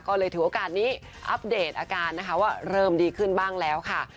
ก็เลยถือโอกาสนี้อัปเดตอาการนะคะว่าเริ่มดีขึ้นบ้างแล้วค่ะ